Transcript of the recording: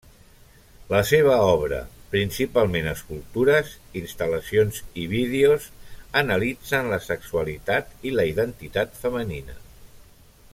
La seva obra, principalment escultures, instal·lacions i vídeos analitzen la sexualitat i la identitat femenina.